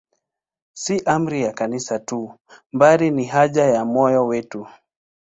Si amri ya Kanisa tu, bali ni haja ya moyo wetu.